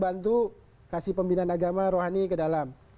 bantu kasih pembinaan agama rohani ke dalam